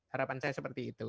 harapan saya seperti itu